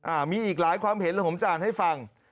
มีอีกหลายความเห็นแล้วผมจานให้ฟัง